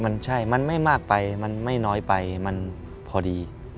มันใช่มันไม่มากไปมันไม่น้อยไปมันพอดี